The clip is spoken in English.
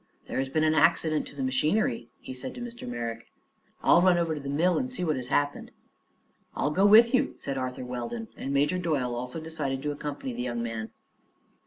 "There has been an accident to the machinery," he said to Mr. Merrick. "I'll run over to the mill and see what has happened." "I will go with you," said Arthur Weldon, and Major Doyle also decided to accompany the young man.